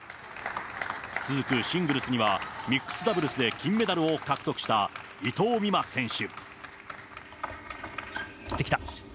続くシングルスには、ミックスダブルスで金メダルを獲得した伊藤美誠選手。